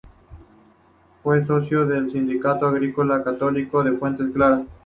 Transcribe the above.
Fue socio del Sindicato Agrícola Católico de Fuentes Claras.